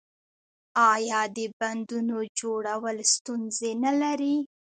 آیا د بندونو جوړول ستونزې نلري؟